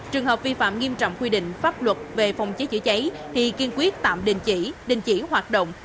trường hợp vi phạm nghiêm trọng quy định pháp luật về phòng cháy chữa cháy thì kiên quyết tạm đình chỉ đình chỉ hoạt động